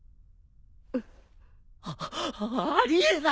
ああり得ない！